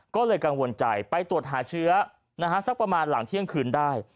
ก็เลยกังวลใจไปตรวจหาเชื้อสักประมาณหลังเที่ยงคืนได้